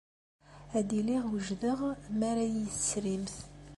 Ad iliɣ wejdeɣ mi ara iyi-tesrimt.